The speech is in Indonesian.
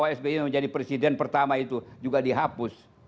pak sby menjadi presiden pertama itu juga dihapus